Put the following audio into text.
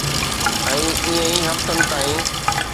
۽ ائين ئي هفتن تائين